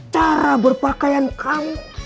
cara berpakaian kamu